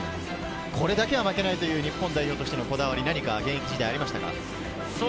これだけは負けないというのはこだわり何か現役時代はありましたか？